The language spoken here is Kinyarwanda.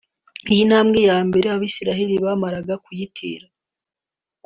Iyo ntambwe ya mbere Abayisiraheri bamaraga kuyitera